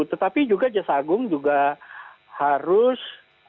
tetapi juga jaksagung juga harus